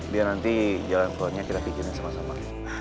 biar nanti jalan keluarnya kita bikinin sama sama